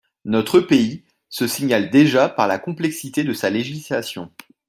Notre pays se signale déjà par la complexité de sa législation.